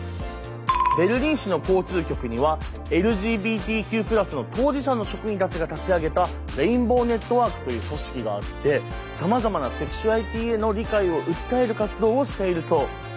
ベルリン市の交通局にはＬＧＢＴＱ＋の当事者の職員たちが立ち上げたレインボーネットワークという組織があってさまざまなセクシュアリティーへの理解を訴える活動をしているそう。